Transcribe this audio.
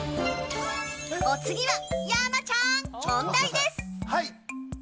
お次は山ちゃん、問題です。